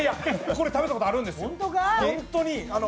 これ食べたことあるんですよ、本当に。